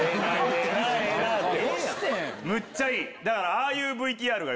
むっちゃいい！